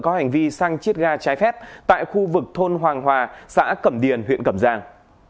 có hành vi xăng chiết ga trái phép tại khu vực thôn hoàng hòa xã cẩm điền huyện cẩm giang